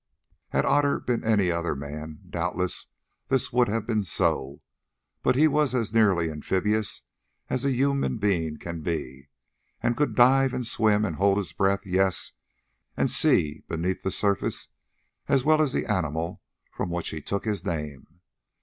Had Otter been any other man, doubtless this would have been so. But he was as nearly amphibious as a human being can be, and could dive and swim and hold his breath, yes, and see beneath the surface as well as the animal from which he took his name.